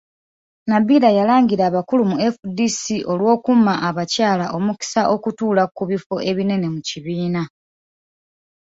Nabillah yalangira abakulu mu FDC olw'okumma abakyala omukisa okutuula ku bifo ebinene mu kibiina.